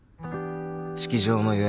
「式場の予約